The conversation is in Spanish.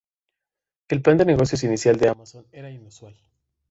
El plan de negocios inicial de Amazon era inusual.